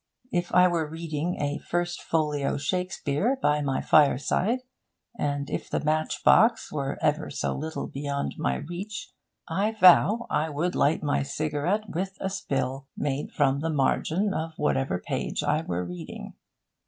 If I were reading a First Folio Shakespeare by my fireside, and if the matchbox were ever so little beyond my reach, I vow I would light my cigarette with a spill made from the margin of whatever page I were reading.